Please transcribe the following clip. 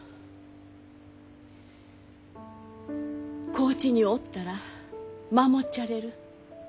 高知におったら守っちゃれる。